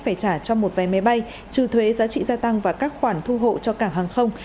phải trả cho một vé máy bay trừ thuế giá trị gia tăng và các khoản thu hộ cho cảng hàng không